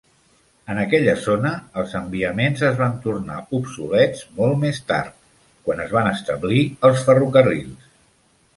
En aquella zona, els enviaments es van tornar obsolets molt més tard, quan es van establir els ferrocarrils.